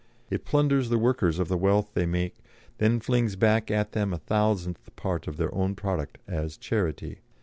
It plunders the workers of the wealth they make, and then flings back at them a thousandth part of their own product as 'charity.'